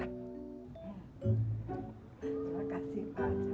terima kasih pak terima kasih